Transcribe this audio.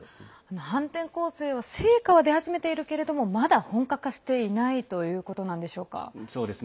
反転攻勢は成果は出始めているけれどもまだ本格化はしていないということでしょうか？